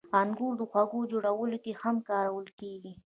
• انګور د خوږو جوړولو کې هم کارول کېږي.